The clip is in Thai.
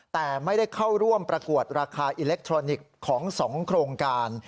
แต่ไม่ได้เข้าร่วมประกวดราคาอิเล็กทรอนิกส์ของ๒โครงการ